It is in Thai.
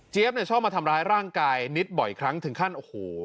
ชอบมาทำร้ายร่างกายนิดบ่อยครั้งถึงขั้นโอ้โห